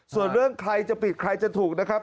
ส่วนเรื่องใครจะปิดใครจะถูกนะครับ